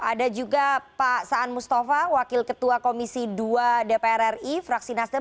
ada juga pak saan mustafa wakil ketua komisi dua dpr ri fraksi nasdem